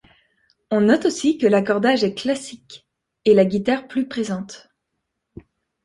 On note aussi que l’accordage est classique et la guitare plus présente.